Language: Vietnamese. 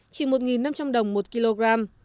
chỉ một năm trăm linh đồng một kg